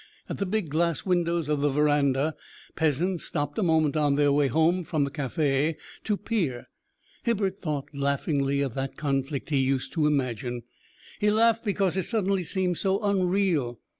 At the big glass windows of the verandah, peasants stopped a moment on their way home from the cafe to peer. Hibbert thought laughingly of that conflict he used to imagine. He laughed because it suddenly seemed so unreal.